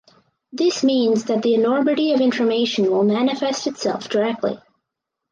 This means that the enormity of information will manifest itself directly.